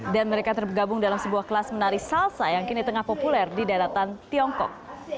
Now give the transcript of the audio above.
dan mereka tergabung dalam sebuah kelas menari salsa yang kini tengah populer di daratan tiongkok